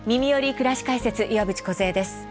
くらし解説」岩渕梢です。